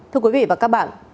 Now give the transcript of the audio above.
thưa quý vị và các bạn